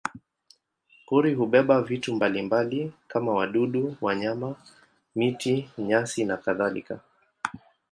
Pori hubeba vitu mbalimbali kama wadudu, wanyama, miti, nyasi nakadhalika.